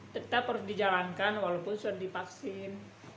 tetap harus dijalankan walaupun sudah divaksin